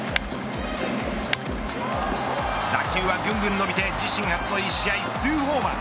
打球はぐんぐん伸びて自身初の１試合２ホーマー。